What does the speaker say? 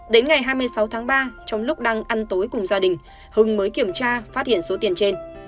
đến ngày hai mươi sáu tháng ba trong lúc đang ăn tối cùng gia đình hưng mới kiểm tra phát hiện số tiền trên